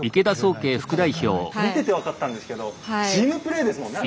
見てて分かったんですけどチームプレーですもんね。